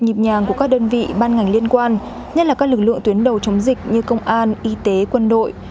sự phối hợp nhịp nhàng của các đơn vị ban ngành liên quan nhất là các lực lượng tuyến đầu chống dịch như công an y tế quân đội